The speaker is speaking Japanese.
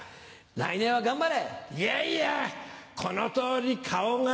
来年は頑張れ。